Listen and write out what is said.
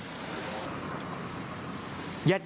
เพื่อไปสงบสติอารมณ์